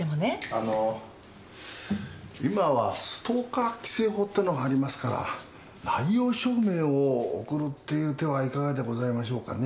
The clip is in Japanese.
あの今はストーカー規制法ってのがありますから内容証明を送るっていう手はいかがでございましょうかね？